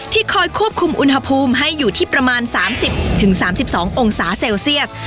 คอยควบคุมอุณหภูมิให้อยู่ที่ประมาณ๓๐๓๒องศาเซลเซียส